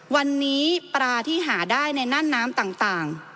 วันนี้ปลาที่หาได้ในน่านน้ำต่าง